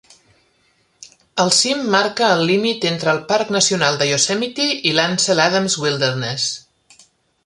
El cim marca el límit entre el Parc Nacional de Yosemite i l'Ansel Adams Wilderness.